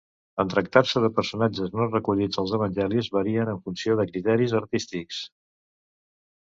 En tractar-se de personatges no recollits als evangelis, varien en funció de criteris artístics.